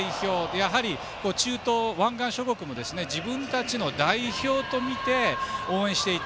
やはり中東や湾岸諸国も自分たちの代表とみて応援していて。